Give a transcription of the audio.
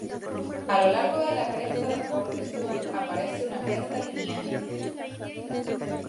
A lo largo de la cresta del borde sur aparece una cresta lineal.